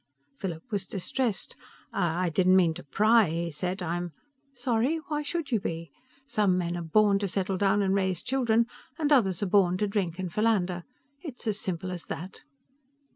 Philip was distressed. "I ... I didn't mean to pry," he said. "I'm " "Sorry? Why should you be? Some men are born to settle down and raise children and others are born to drink and philander. It's as simple as that."